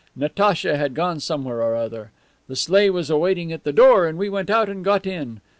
Natacha had gone somewhere or other. The sleigh was waiting at the door and we went out and got in.